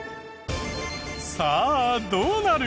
さあどうなる？